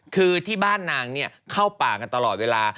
คือที่บ้านนางเข้าป่ากันตลอดเวลา